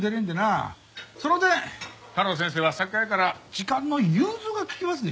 その点太郎先生は作家やから時間の融通が利きますでしょ？